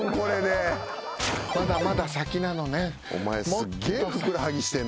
まだまだ先なのねん。